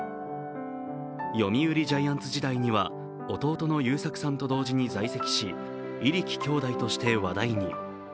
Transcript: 読売ジャイアンツ時代には弟の祐作さんと同時に在籍し入来兄弟として話題に。